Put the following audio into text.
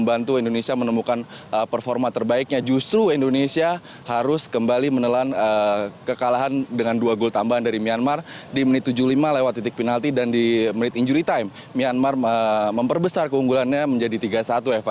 membantu indonesia menemukan performa terbaiknya justru indonesia harus kembali menelan kekalahan dengan dua gol tambahan dari myanmar di menit tujuh puluh lima lewat titik penalti dan di menit injury time myanmar memperbesar keunggulannya menjadi tiga satu eva